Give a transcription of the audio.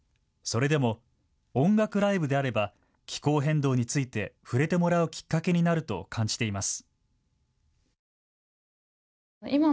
それでも音楽ライブであれば気候変動について触れてもらうきっかけになると感じています。